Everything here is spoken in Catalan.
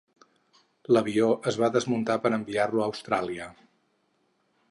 L'avió es va desmuntar per enviar-lo a Austràlia.